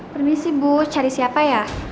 permisi bu cari siapa ya